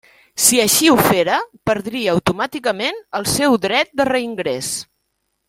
Si així ho fera, perdria automàticament el seu dret de reingrés.